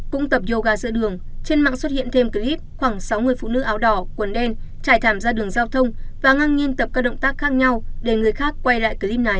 cũng tập yoga giữa đường trên mạng xuất hiện thêm clip khoảng sáu mươi phụ nữ áo đỏ quần đen trải thảm ra đường giao thông và ngang nhiên tập các động tác khác nhau để người khác quay lại clip này